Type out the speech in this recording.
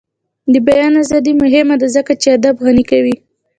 د بیان ازادي مهمه ده ځکه چې ادب غني کوي.